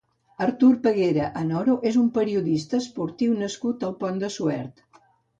Artur Peguera Anoro és un periodista esportiu nascut al Pont de Suert.